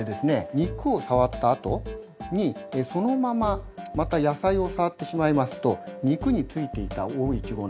肉を触ったあとにそのまままた野菜を触ってしまいますと肉に付いていたＯ１５７